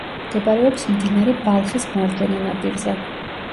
მდებარეობს მდინარე ბალხის მარჯვენა ნაპირზე.